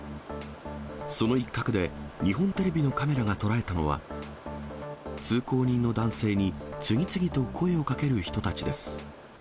その一角で、日本テレビのカメラが捉えたのは、通行人の男性に次々と声をかける人たちです。